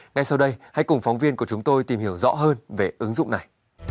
ngay sau đây hãy cùng phóng viên của chúng tôi tìm hiểu rõ hơn về ứng dụng này